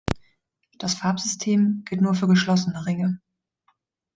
Das Farbsystem gilt nur für geschlossene Ringe.